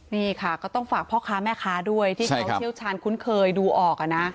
นี่ค่ะก็ต้องฝากพ่อค้าแม่ค้าด้วยที่เขาเชี่ยวชาญคุ้นเคยดูออกนะ